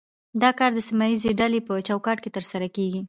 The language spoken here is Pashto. دا کار د سیمه ایزې ډلې په چوکاټ کې ترسره کیږي